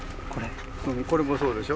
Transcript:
これもそうでしょ。